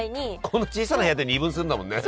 この小さな部屋で二分するんだもんね。